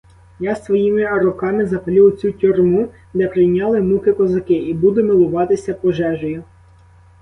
Я своїми руками запалю оцю тюрму, де прийняли муки козаки, і буду милуватись пожежею.